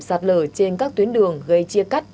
sạt lở trên các tuyến đường gây chia cắt